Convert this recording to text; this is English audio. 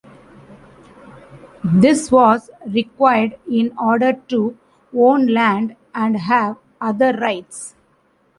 This was required in order to own land and have other rights.